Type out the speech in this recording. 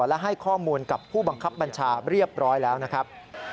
และให้ข้อมูลกับผู้บังคับบัญชาเรียบร้อยแล้วนะครับ